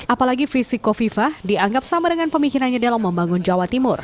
apalagi fisik kofifah dianggap sama dengan pemikirannya dalam membangun jawa timur